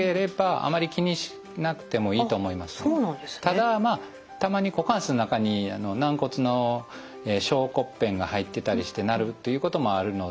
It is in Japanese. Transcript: ただたまに股関節の中に軟骨の小骨片が入ってたりして鳴るということもあるので。